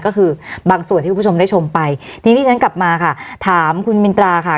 ก็คือบางส่วนที่คุณผู้ชมได้ชมไปทีนี้ฉันกลับมาค่ะถามคุณมินตราค่ะ